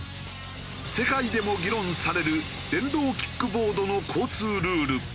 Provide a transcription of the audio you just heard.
世界でも議論される電動キックボードの交通ルール。